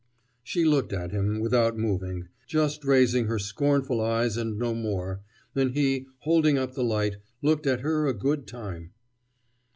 She looked at him, without moving, just raising her scornful eyes and no more, and he, holding up the light, looked at her a good time.